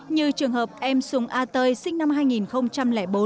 như trường hợp em sùng a tơi sinh năm hai nghìn bốn